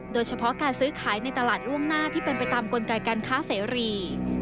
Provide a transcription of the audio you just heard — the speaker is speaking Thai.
โดยเฉพาะการซื้อขายในตลาดล่วงหน้าที่เป็นไปตามกลไกการค้าเสรี